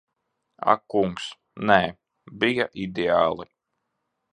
Ak kungs, nē. Bija ideāli.